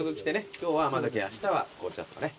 今日は甘酒あしたは紅茶とかね。